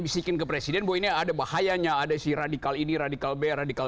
bisikin ke presiden boynya ada bahayanya ada sih radikal ini radikal b radikal